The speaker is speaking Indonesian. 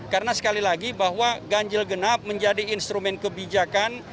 karena sekali lagi bahwa ganjil genap menjadi instrumen kebijakan